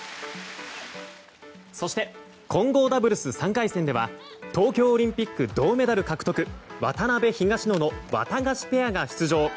そして、混合ダブルス３回戦では東京オリンピック銅メダル獲得渡辺、東野のワタガシペアが出場。